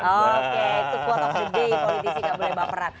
oke itu quote of the day politisi gak boleh baperan